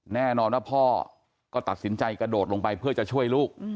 แน่นอนว่าพ่อก็ตัดสินใจกระโดดลงไปเพื่อจะช่วยลูก